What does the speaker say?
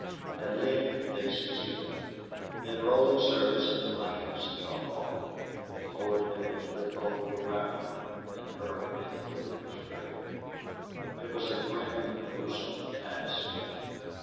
At length they succeeded. Then, rolling Service in the blankets and tarpaulin, they lowered him into the cold ground and hurriedly filled up his grave. It was a grim, gruesome task.